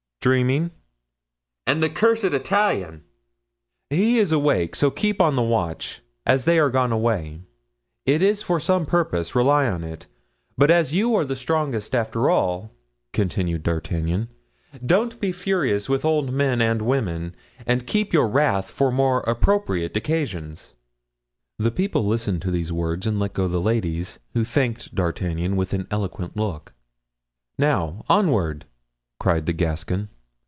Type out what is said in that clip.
"Dreaming." "And the cursed Italian?" "He is awake, so keep on the watch, as they are gone away; it's for some purpose, rely on it. But as you are the strongest, after all," continued D'Artagnan, "don't be furious with old men and women, and keep your wrath for more appropriate occasions." The people listened to these words and let go the ladies, who thanked D'Artagnan with an eloquent look. "Now! onward!" cried the Gascon.